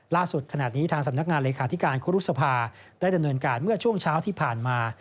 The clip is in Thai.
ขณะนี้ทางสำนักงานเลขาธิการครุษภาได้ดำเนินการเมื่อช่วงเช้าที่ผ่านมา